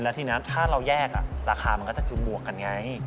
แล้วทีนี้ถ้าเราแยกราคามันก็จะคือบวกกันไง